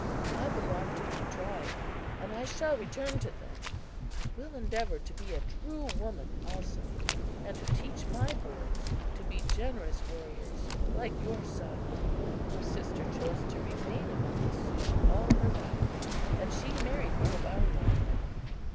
I belong to my tribe and I shall return to them. I will endeavor to be a true woman also, and to teach my boys to be generous warriors like your son." Her sister chose to remain among the Sioux all her life, and she married one of our young men.